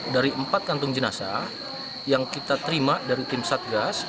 dari empat kantung jenazah yang kita terima dari tim satgas